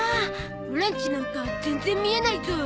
オラんちなんか全然見えないゾ。